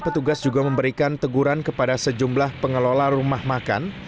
petugas juga memberikan teguran kepada sejumlah pengelola rumah makan